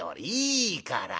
いいから。